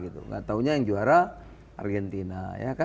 tidak tahunya yang juara argentina